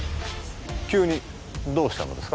急にどうしたのですか？